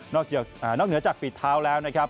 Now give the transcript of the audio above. นอกเหนือจากปิดเท้าแล้วนะครับ